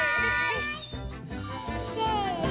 せの。